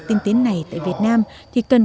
tinh tiến này tại việt nam thì cần